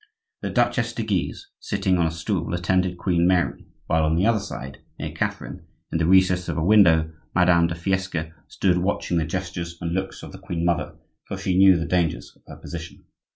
The Duchesse de Guise, sitting on a stool, attended Queen Mary, while on the other side, near Catherine, in the recess of a window, Madame de Fiesque stood watching the gestures and looks of the queen mother; for she knew the dangers of her position.